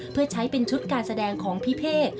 เพื่อใช้เป็นชุดการแสดงของพี่เพศ